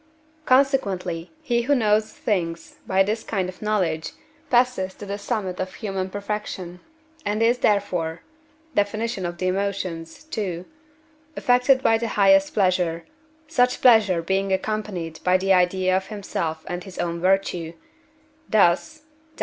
consequently, he who knows things by this kind of knowledge passes to the summit of human perfection, and is therefore (Def. of the Emotions, ii.) affected by the highest pleasure, such pleasure being accompanied by the idea of himself and his own virtue; thus (Def.